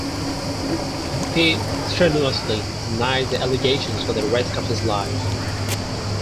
He strenuously denied the allegations for the rest of his life.